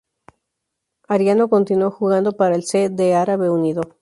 Ariano continuó jugando para el C. D. Árabe Unido.